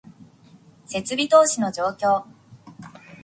設備投資の状況